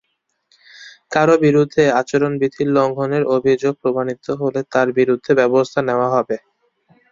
কারও বিরুদ্ধে আচরণবিধি লঙ্ঘনের অভিযোগ প্রমাণিত হলে তাঁর বিরুদ্ধে ব্যবস্থা নেওয়া হবে।